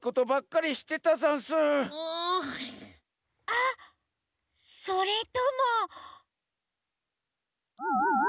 あっそれとも。